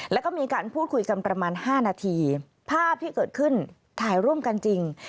แล้วก็มีการพูดคุยกันประมาณ๕นาทีภาพที่เกิดขึ้นถ่ายร่วมกันจริง